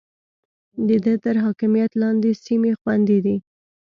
د ده تر حاکميت لاندې سيمې خوندي دي.